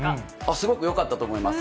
すごくよかったと思います。